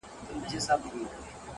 ورته ښېراوي هر ماښام كومه”